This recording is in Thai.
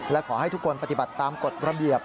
และขอให้ทุกคนปฏิบัติตามกฎระเบียบ